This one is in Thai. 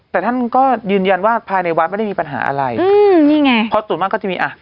แต่ท่านก็ยืนยันว่าภายในวัดไม่ได้มีปัญหาอะไรอืมนี่ไงเพราะส่วนมากก็จะมีอ่ะ